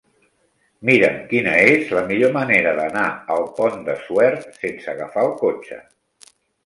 Mira'm quina és la millor manera d'anar al Pont de Suert sense agafar el cotxe.